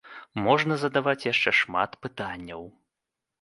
Можна задаваць яшчэ шмат пытанняў.